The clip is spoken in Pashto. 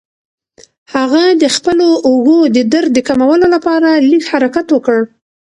هغه د خپلو اوږو د درد د کمولو لپاره لږ حرکت وکړ.